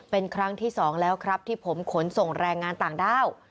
เป็นครั้งที่สองแล้วครับที่ผมขนส่งแรงงานต่างด้าว